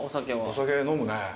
お酒飲むね。